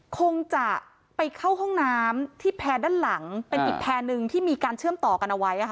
คงจะไปเข้าห้องน้ำที่แพร่ด้านหลังเป็นอีกแพรหนึ่งที่มีการเชื่อมต่อกันเอาไว้